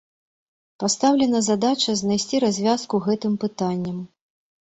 Пастаўлена задача знайсці развязку гэтым пытанням.